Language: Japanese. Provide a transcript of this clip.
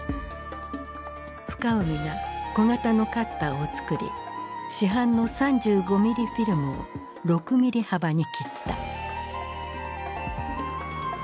深海が小型のカッターをつくり市販の３５ミリフィルムを６ミリ幅に切った。